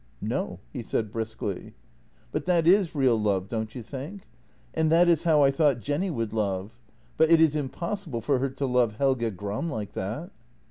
" No," he said briskly. " But that is real love, don't you think? And that is how I thought Jenny would love, but it is impossible for her to love Helge Gram like that."